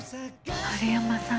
円山さん